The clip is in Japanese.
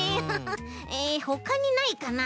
えほかにないかな。